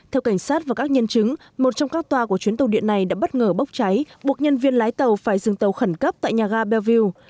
theo cảnh sát và các nhân chứng một trong các toa của chuyến tàu điện này đã bất ngờ bốc cháy buộc nhân viên lái tàu phải dừng tàu khẩn cấp tại nhà ga belview